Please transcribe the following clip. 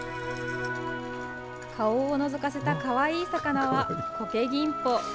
顔をのぞかせたかわいい魚はコケギンポ。